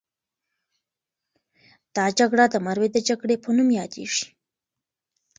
دا جګړه د مروې د جګړې په نوم یادیږي.